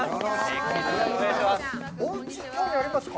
おうち興味ありますか？